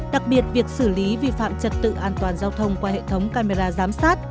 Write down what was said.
đặc biệt việc xử lý vi phạm trật tự an toàn giao thông qua hệ thống camera giám sát